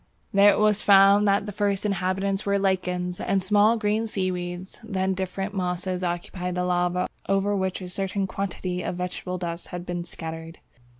There it was found that the first inhabitants were lichens and small green seaweeds; then "different mosses occupied the lava over which a certain quantity of vegetable dust had been scattered."